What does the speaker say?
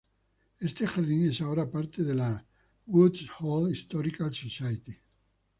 Este jardín es ahora parte de la "Woods Hole Historical Society".